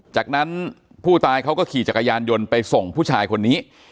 จากนั้นผู้ตายเขาก็ขี่จักรยานยนต์ไปส่งผู้ชายคนนี้